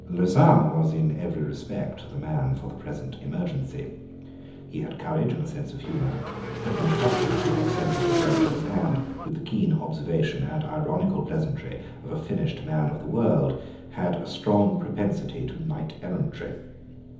Lauzun was in every respect the man for the present emergency. He had courage and a sense of honour, had been accustomed to eccentric adventures, and, with the keen observation and ironical pleasantry of a finished man of the world, had a strong propensity to knight errantry.